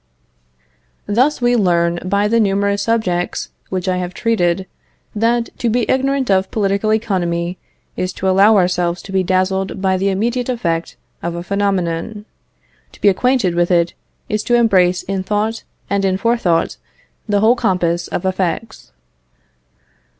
Thus we learn by the numerous subjects which I have treated, that, to be ignorant of political economy is to allow ourselves to be dazzled by the immediate effect of a phenomenon; to be acquainted with it is to embrace in thought and in forethought the whole compass of effects.